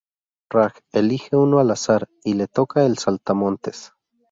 Raj elije uno al azar y le toca el "Saltamontes".